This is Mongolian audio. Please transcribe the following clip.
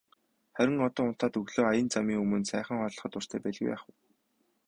Харин одоо унтаад өглөө аян замын өмнө сайхан хооллоход дуртай байлгүй яах вэ.